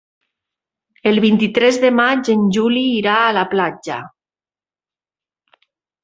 El vint-i-tres de maig en Juli irà a la platja.